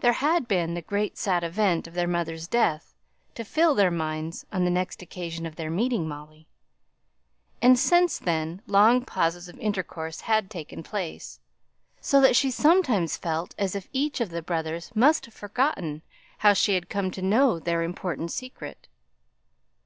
There had been the great sad event of their mother's death to fill their minds on the next occasion of their meeting Molly; and since then long pauses of intercourse had taken place; so that she sometimes felt as if both the brothers must have forgotten how she had come to know their important secret.